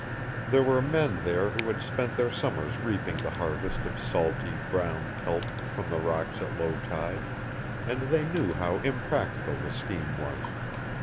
There were men there who had spent their summers reaping the harvest of salty, brown kelp from the rocks at low tide, and they knew how impractical the scheme was.